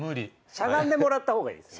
しゃがんでもらった方がいいです。